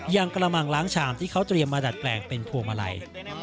อย่างกระมังล้างชามที่เขาเตรียมมาดัดแปลงเป็นพวงมาลัย